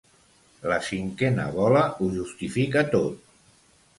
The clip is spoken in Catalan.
La cinquena bola ho justifica tot.